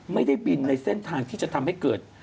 ไม่ได้บินในเส้นทางที่จะทำให้เกิด